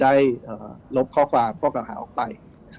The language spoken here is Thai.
ได้ลบข้อความกล้องหากออกไป